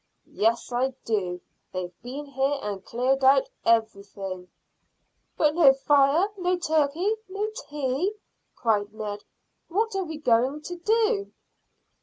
"Yes, I do; they've been here and cleared out everything." "But no fire, no turkey, no tea," cried Ned. "What are we to do?"